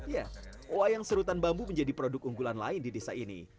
ya wayang serutan bambu menjadi produk unggulan lain di desa ini